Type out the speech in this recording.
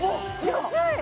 安い！